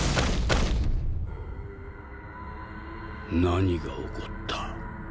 何が起こった？